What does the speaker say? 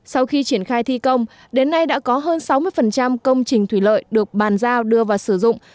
sau khi triển khai thi công đến nay đã có hơn sáu mươi công trình thủy lợi được bàn giao đưa vào sử dụng